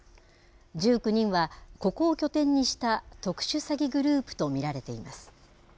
１９人はここを拠点にした特殊詐欺グループと見られています。